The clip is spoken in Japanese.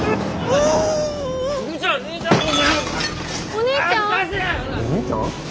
お兄ちゃん？